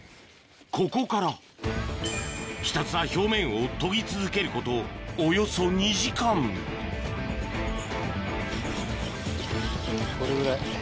ここからひたすら表面を研ぎ続けることおよそ２時間これぐらい。